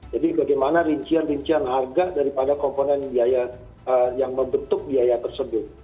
jadi bagaimana rincian rincian harga daripada komponen yang membentuk biaya tersebut